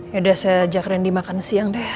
yaudah saya ajak randy makan siang deh